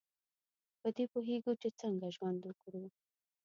په دې پوهیږو چې څنګه ژوند وکړو.